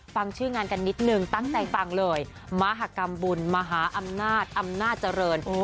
ฟังชื่องานกันนิดนึงตั้งใจฟังเลยมหากรรมบุญมหาอำนาจอำนาจเจริญ